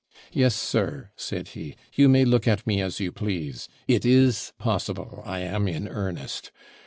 'Yes, sir,' said he, 'you may look at me as you please it is possible I am in earnest.